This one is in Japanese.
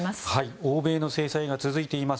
欧米の制裁が続いています。